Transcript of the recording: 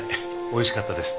おいしかったです。